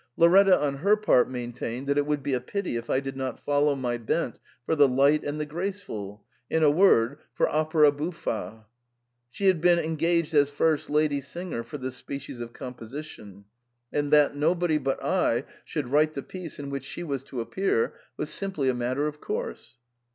Lauretta on her part maintained that it would be a pity if I did not follow my bent for the light and the graceful, in a word, for opera buffa. She had been engaged as first lady singer for this species of composition ; and that nobody but I should write the piece in which she was to appear was simply a matter of course.